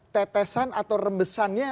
tetesan atau rembesannya